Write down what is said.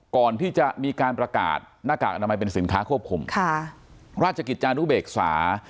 ก่อนที่จะมีการประกาศหน้ากากอนามัยเป็นสินค้าควบคุมค่ะราชกิจจานุเบกษา